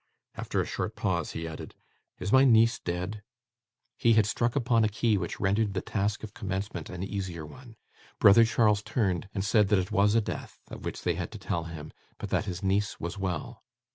After a short pause, he added, 'Is my niece dead?' He had struck upon a key which rendered the task of commencement an easier one. Brother Charles turned, and said that it was a death of which they had to tell him, but that his niece was well.